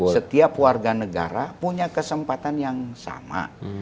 setiap warga negara punya kesempatan yang sama